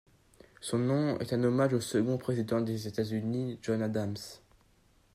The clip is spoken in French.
Son nom est un hommage au second Président des États-Unis, John Adams.